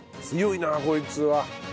強いなこいつは。